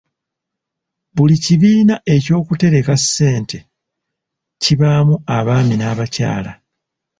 Buli kibiina eky'okutereka ssente kibaamu abaami n'abakyala.